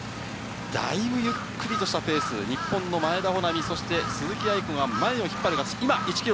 だいぶゆっくりとしたペース、日本の前田穂南、そして鈴木亜由子が前を引っ張ります。